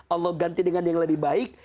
allah ganti dengan yang lebih baik